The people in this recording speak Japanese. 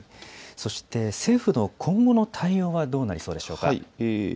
そして政府の今後の対応はどうなりそうでしょうか。